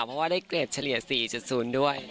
เพราะว่าได้เกรดเฉลี่ย๔๐ด้วย